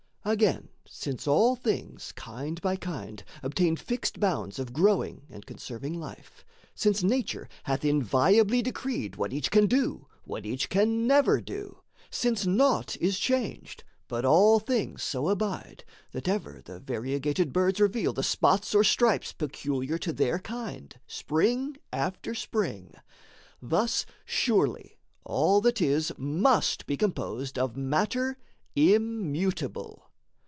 Again, since all things kind by kind obtain Fixed bounds of growing and conserving life; Since Nature hath inviolably decreed What each can do, what each can never do; Since naught is changed, but all things so abide That ever the variegated birds reveal The spots or stripes peculiar to their kind, Spring after spring: thus surely all that is Must be composed of matter immutable.